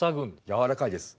柔らかいです。